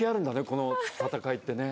この戦いってね。